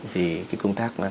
thì cái công tác này